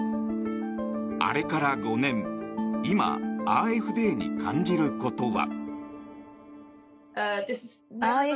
あれから５年今、ＡｆＤに感じることは？